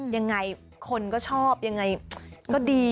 ยังไงคนก็ชอบยังไงก็ดี